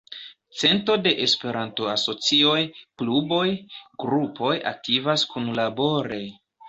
Cento da Esperanto-asocioj, kluboj, grupoj aktivas kunlabore.